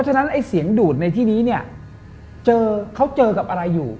เพราะฉะนั้นเสียงดูดในที่นี้เขาเจอกับอะไรอยู่